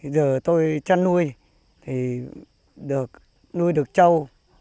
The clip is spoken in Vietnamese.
giờ tôi chăn nuôi thì nuôi được châu